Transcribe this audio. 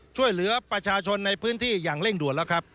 ช่วยเหลือประชาชนในพื้นที่อย่างเร่งด่วนแล้วครับ